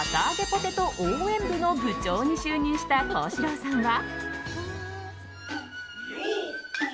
ポテト応援部の部長に就任した幸四郎さんは。